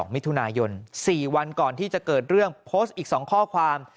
มิถุนายน๔วันก่อนที่จะเกิดเรื่องโพสต์อีก๒ข้อความ